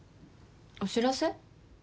お知らせ？